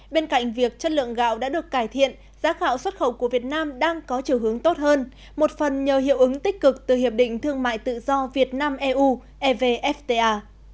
bên cạnh việc chất lượng gạo đã được cải thiện giá gạo xuất khẩu của việt nam đang có chiều hướng tốt hơn một phần nhờ hiệu ứng tích cực từ hiệp định thương mại tự do việt nam eu evfta